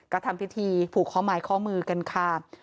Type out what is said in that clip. ก็ทำพิธีผูกข้อไม้ข้อมือกันค่ะ